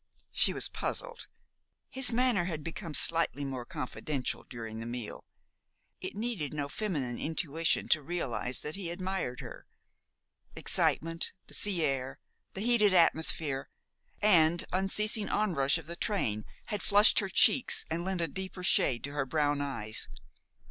She was puzzled. His manner had become slightly more confidential during the meal. It needed no feminine intuition to realize that he admired her. Excitement, the sea air, the heated atmosphere, and unceasing onrush of the train, had flushed her cheeks and lent a deeper shade to her brown eyes.